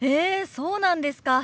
そうなんですか。